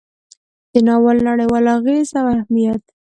د ناول نړیوال اغیز او اهمیت: